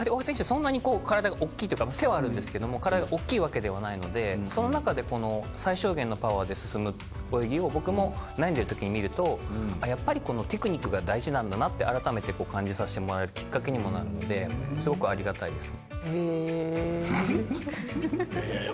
そんなにこう体が大きいとか背はあるんですけども体が大きいわけではないのでその中でこの最小限のパワーで進む泳ぎを僕も悩んでる時に見るとあっやっぱりこのテクニックが大事なんだなって改めて感じさせてもらえるきっかけにもなるのですごくありがたいです。